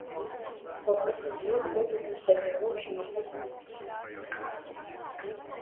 Որպես կանոն, օդը դուրս է բերվում շինության տանիքից։